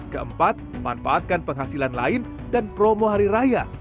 keempat manfaatkan penghasilan lain dan promo hari raya